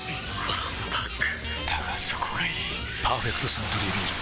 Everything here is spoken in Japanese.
わんぱくだがそこがいい「パーフェクトサントリービール糖質ゼロ」